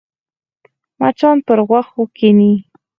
مچان پر غوښو کښېني